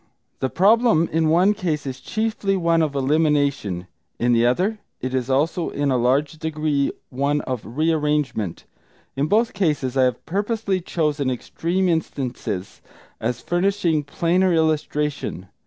] The problem in one case is chiefly one of elimination; in the other it is also in a large degree one of rearrangement. In both cases I have purposely chosen extreme instances, as furnishing plainer illustration.